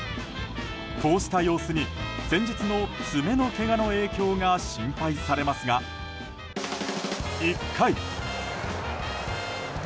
こうした様子に先日の爪のけがの影響が心配されますが、１回。